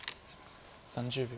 ３０秒。